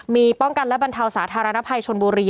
มีป้องกันและบรรเทาสาธารณภัยชนบุรี